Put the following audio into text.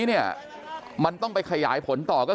เพื่อนบ้านเจ้าหน้าที่อำรวจกู้ภัย